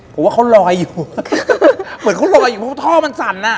ผมว่าเขาลอยอยู่เหมือนเขาลอยอยู่เพราะท่อมันสั่นอ่ะ